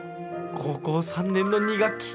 高校３年の２学期。